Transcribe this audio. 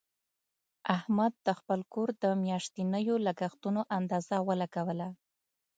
احمد د خپل کور د میاشتنیو لګښتونو اندازه ولګوله.